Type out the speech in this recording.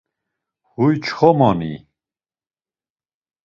Huy çxomoni?